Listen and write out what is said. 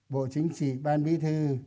bộ chính trị ban bí thư